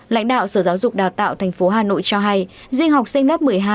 lãnh đạo sở giáo dục đào tạo tp hà nội cho hay riêng học sinh lớp một mươi hai